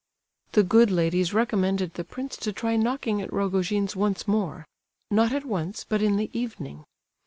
The good ladies recommended the prince to try knocking at Rogojin's once more—not at once, but in the evening.